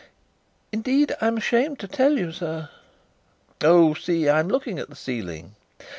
"Indeed, I'm ashamed to tell you, sir." "Oh, see, I'm looking at the ceiling."